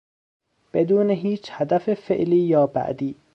بدون هیچ هدف فعلی یا بعدی